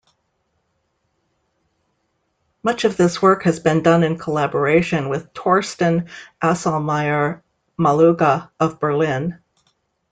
Much of this work has been done in collaboration with Torsten Asselmeyer-Maluga of Berlin.